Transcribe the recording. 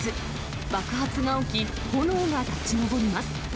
爆発が起き、炎が立ち上ります。